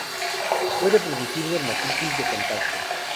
Puede producir dermatitis de contacto.